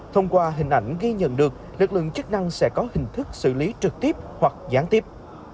thông qua hình ảnh ghi nhận được lực lượng chức năng sẽ có hình thức xử lý trực tiếp hoặc gián tiếp